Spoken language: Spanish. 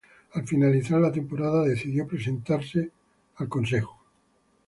Al finalizar la temporada, decidió presentarse al draft.